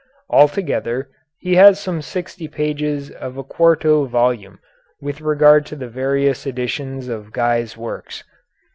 Altogether he has some sixty pages of a quarto volume with regard to the various editions of Guy's works.